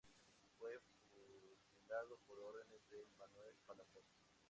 Fue fusilado por órdenes de Manuel Palafox.